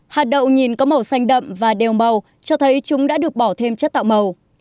hạt đậu nhìn có màu xanh đậm và đều màu cho thấy chúng đã được bỏ thêm chất tạo màu